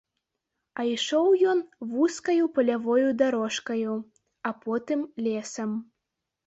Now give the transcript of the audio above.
А ішоў ён вузкаю палявою дарожкаю, а потым лесам.